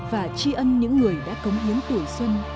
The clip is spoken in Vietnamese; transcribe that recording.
và tri ân những người đã cống hiến tuổi xuân